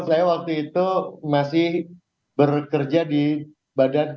saya waktu itu masih bekerja di badan pengendalian lingkungan hidup